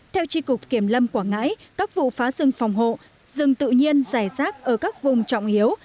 theo tri cục kiểm lâm quảng ngãi các vụ phá rừng phòng hộ rừng tự nhiên dài rác ở các vùng trọng yếu